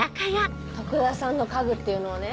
徳田さんの家具っていうのはね